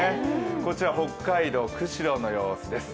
こちら北海道、釧路の様子です。